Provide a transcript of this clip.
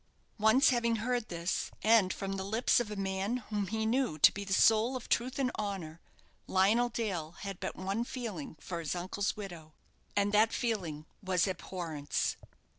Once having heard this, and from the lips of a man whom he knew to be the soul of truth and honour, Lionel Dale had but one feeling for his uncle's widow, and that feeling was abhorrence.